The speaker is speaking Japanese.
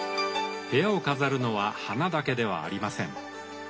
部屋を飾るのは花だけではありません。